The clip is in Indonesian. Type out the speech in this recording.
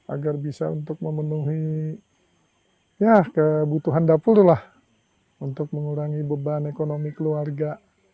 agar bisa untuk memenuhi ya kebutuhan dapur lah untuk mengurangi beban ekonomi keluarga